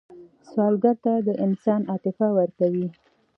سوالګر ته د انسان عاطفه ورکوئ